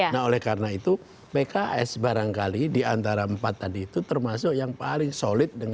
nah oleh karena itu pks barangkali diantara empat tadi itu termasuk yang paling solid